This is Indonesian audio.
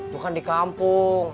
bukan di kampung